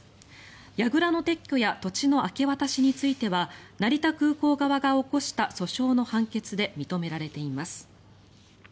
やぐらの撤去や土地の明け渡しについては成田空港側が起こした訴訟の判決で認められています。